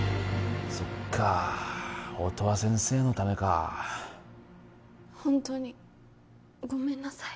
そっか音羽先生のためか本当にごめんなさい